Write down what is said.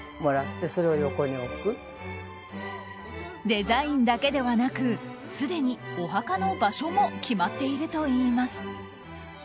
デザインだけではなくすでにお墓の場所も決まっているといいます。